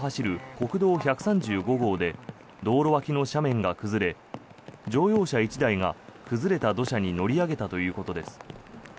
国道１３５号で道路脇の斜面が崩れ乗用車１台が崩れた土砂に乗り上げたということです。